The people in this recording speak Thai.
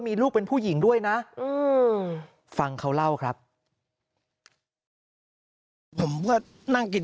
มีลูกเป็นผู้หญิงด้วยนะฟังเขาเล่าครับผมก็นั่งกิน